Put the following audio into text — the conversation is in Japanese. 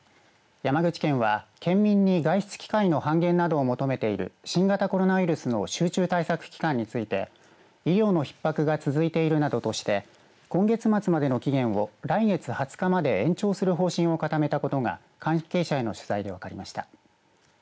山口県は県民に外出機会の半減を求める新型コロナウイルスの集中対策期間について医療のひっ迫が続いてるなどとして今月末までの期限を来月２０日まで延長する方針を固めたことが関係者への取材で分かりました。